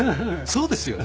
そうですよ。